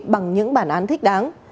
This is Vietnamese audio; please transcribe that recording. bằng những bản án thích đáng